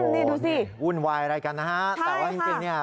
นี่ดูสิวุ่นวายอะไรกันนะฮะแต่ว่าจริงเนี่ย